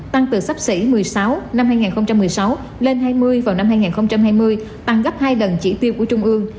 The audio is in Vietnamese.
tăng từ sắp xỉ một mươi sáu năm hai nghìn một mươi sáu lên hai mươi vào năm hai nghìn hai mươi tăng gấp hai lần chỉ tiêu của trung ương